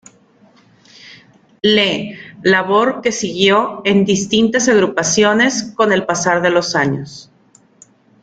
Lee, labor que siguió en distintas agrupaciones con el pasar de los años.